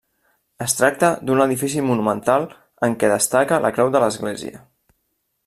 Es tracta d'un edifici monumental en què destaca la creu de l'església.